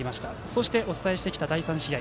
そして、お伝えしてきた第３試合